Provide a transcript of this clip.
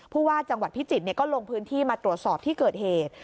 ผู้ว่าจังหวัดพิจิตรก็ลงพื้นที่มาตรวจสอบที่เกิดเหตุ